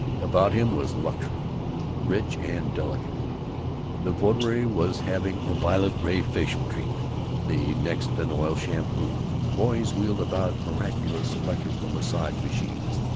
About him was luxury, rich and delicate. One votary was having a violet ray facial treatment, the next an oil shampoo. Boys wheeled about miraculous electrical massage machines.